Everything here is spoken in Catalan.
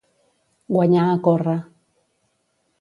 Guanyar a córrer.